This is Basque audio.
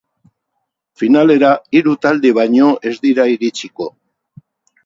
Finalera hiru talde baino ez dira iritsiko.